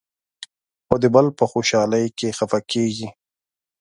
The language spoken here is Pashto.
خو د بل په خوشالۍ کې خفه کېږي.